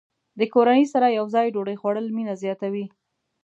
د کورنۍ سره یوځای ډوډۍ خوړل مینه زیاته وي.